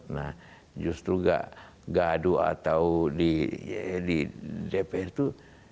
nah justru gaduh atau di dpr itu